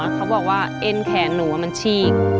เขาบอกว่าเอ็นแขนหนูมันฉีก